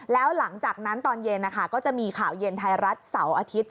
แล้วหลังจากนั้นตอนเย็นก็จะมีข่าวเย็นไทยรัฐเสาร์อาทิตย์